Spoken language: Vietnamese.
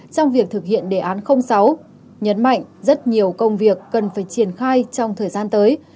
trong việc thực hiện đề án sáu nhấn mạnh rất nhiều công việc cần phải triển khai trong thời gian tới